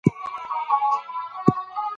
په شاهي دربار کې د هغه عرض ته چا پام ونه کړ.